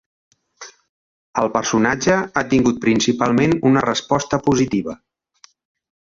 El personatge a tingut principalment una resposta positiva.